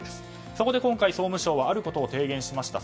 そこで今回、総務省はあることを提言しました。